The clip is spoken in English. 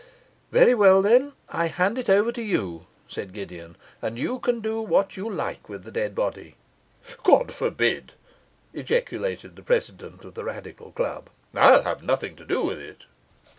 'Very well, then, I hand it over to you,' said Gideon, 'and you can do what you like with the dead body.' 'God forbid!' ejaculated the president of the Radical Club, 'I'll have nothing to do with it.